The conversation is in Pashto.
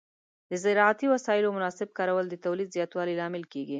د زراعتي وسایلو مناسب کارول د تولید زیاتوالي لامل کېږي.